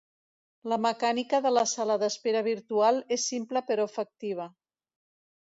La mecànica de la sala d’espera virtual és simple però efectiva.